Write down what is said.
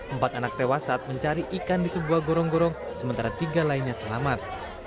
empat anak tewas saat mencari ikan di sebuah gorong gorong sementara tiga lainnya selamat